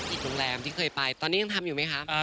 อีกโรงแรมที่เคยไปตอนนี้ยังทำอยู่ไหมคะ